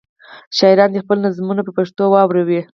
شاعران دې خپلې نظمونه په پښتو واوروي.